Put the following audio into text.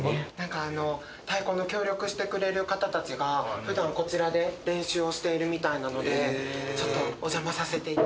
太鼓の協力してくれる方たちが普段こちらで練習をしているみたいなのでちょっとお邪魔させていただきます。